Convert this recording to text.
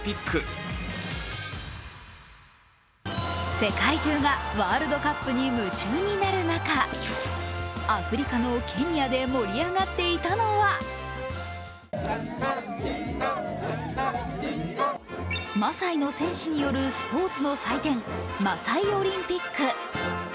世界中がワールドカップに夢中になる中、アフリカのケニアで盛り上がっていたのはマサイの戦士によるスポーツの祭典、マサイ・オリンピック。